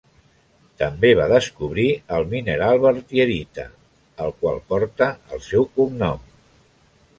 També va descobrir el mineral Berthierita, el qual porta el seu cognom.